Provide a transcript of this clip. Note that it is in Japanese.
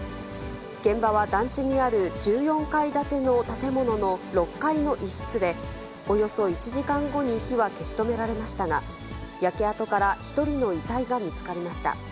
現場は団地にある１４階建ての建物の６階の一室で、およそ１時間後に火は消し止められましたが、焼け跡から１人の遺体が見つかりました。